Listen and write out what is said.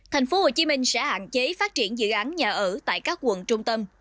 tp hcm sẽ hạn chế phát triển dự án nhà ở tại các quận trung tâm